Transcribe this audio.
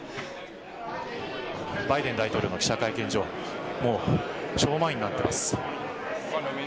バイデン大統領の記者会見場、もう超満員になってます。